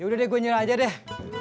yaudah deh gue nyera aja deh